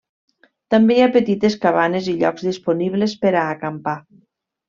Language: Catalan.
També hi ha petites cabanes i llocs disponibles per a acampar.